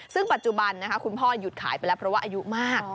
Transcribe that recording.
ซึ่งปัจจุบันคุณพ่อหยุดขายไปแล้วเพราะว่าอายุมาก